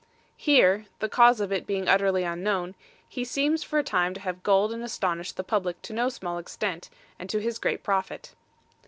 Here the cause of it being utterly unknown he seems for a time to have gulled and astonished the public to no small extent, and to his great profit.